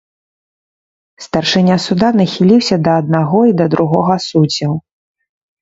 Старшыня суда нахіліўся да аднаго і да другога суддзяў.